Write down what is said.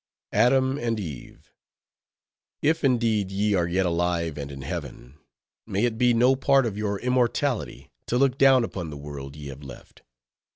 Adam and Eve! If indeed ye are yet alive and in heaven, may it be no part of your immortality to look down upon the world ye have left.